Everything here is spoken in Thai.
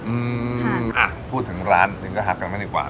อืมอ่าพูดถึงร้านจำปงกันดีกว่า